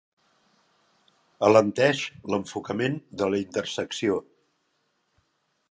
Alenteix l'enfocament de la intersecció.